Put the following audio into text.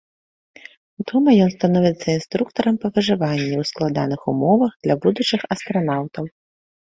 Дома ён становіцца інструктарам па выжыванні ў складаных умовах для будучых астранаўтаў.